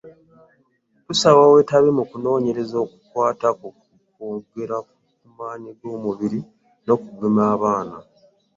Tukusaba weetabe mu kunoonyereza okukwata ku kwongera ku maanyi g’omubiri n’okugema abaana.